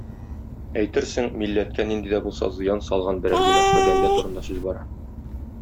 Әйтерсең, милләткә нинди дә булса зыян салган берәр гөнаһлы бәндә турында сүз бара!